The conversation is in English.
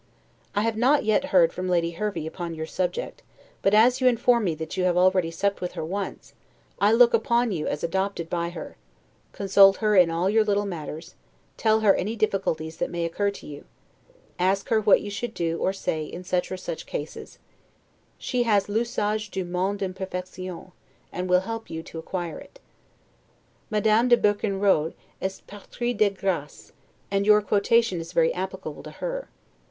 I have not yet heard from Lady Hervey upon your subject; but as you inform me that you have already supped with her once, I look upon you as adopted by her; consult her in all your little matters; tell her any difficulties that may occur to you; ask her what you should do or say in such or such cases; she has 'l'usage du monde en perfection', and will help you to acquire it. Madame de Berkenrode 'est paitrie de graces', and your quotation is very applicable to her.